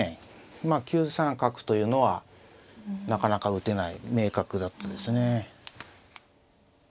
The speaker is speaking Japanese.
まあ９三角というのはなかなか打てない名角だったですね。